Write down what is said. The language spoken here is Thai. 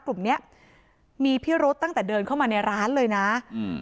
กลุ่มเนี้ยมีพิรุษตั้งแต่เดินเข้ามาในร้านเลยนะอืม